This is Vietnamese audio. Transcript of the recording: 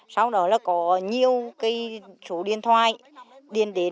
sau đó là có nhiều cái số điện thoại điền đến